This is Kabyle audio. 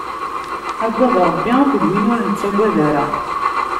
Agad Ṛebbi akked win ur nettagad ara.